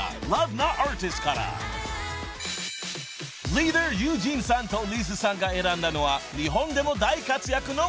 ［リーダーユジンさんとリズさんが選んだのは日本でも大活躍の］